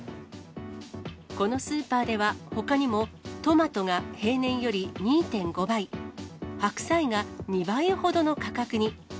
このスーパーではほかにもトマトが平年より２．５倍、白菜が２倍ほどの価格に。